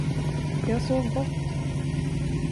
Jag sov gott!